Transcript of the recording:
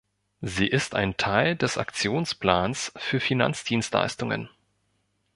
Sie ist ein Teil des Aktionsplans für Finanzdienstleistungen.